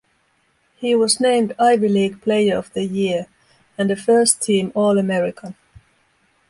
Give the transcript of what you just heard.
He was named Ivy League Player of the Year, and a First-Team All-American.